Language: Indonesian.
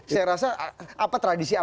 saya rasa apa tradisi apa